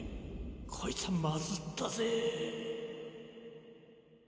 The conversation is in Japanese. こいつはまずったぜ